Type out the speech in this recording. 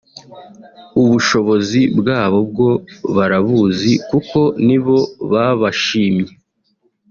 ubushobozi bwabo bwo barabuzi kuko nibo babashimye